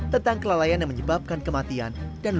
tentang kelalaian yang menyebabkan kematian